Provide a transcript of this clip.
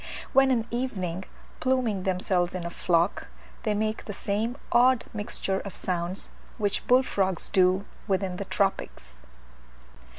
When in the evening pluming themselves in a flock, they make the same odd mixture of sounds which bull frogs do within the tropics.